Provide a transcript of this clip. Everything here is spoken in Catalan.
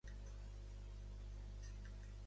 Quan passa l'autobús pel carrer Santiago Rusiñol?